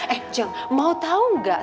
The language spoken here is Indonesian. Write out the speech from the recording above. eh jeng mau tau gak